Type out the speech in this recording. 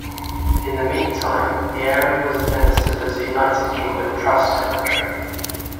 In the meantime, the area was administered as a United Kingdom Trust Territory.